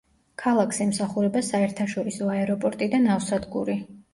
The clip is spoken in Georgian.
ქალაქს ემსახურება საერთაშორისო აეროპორტი და ნავსადგური.